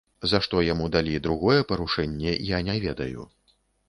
За што яму далі другое парушэнне, я не ведаю.